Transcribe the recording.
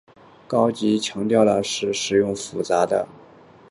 高级强调的是使用复杂精密的恶意软件及技术以利用系统中的漏洞。